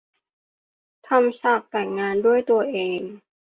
ทำฉากแต่งงานด้วยตัวเอง